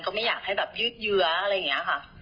ไม่อยากให้แบบยืดเยื้ออะไรอย่างนี้ค่ะ